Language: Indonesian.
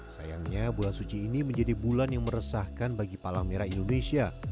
sayangnya bulan suci ini menjadi bulan yang meresahkan bagi palang merah indonesia